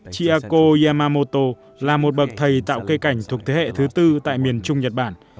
chiako yamamoto là một bậc thầy tạo cây cảnh thuộc thế hệ thứ tư tại miền trung nhật bản